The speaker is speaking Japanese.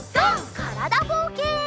からだぼうけん。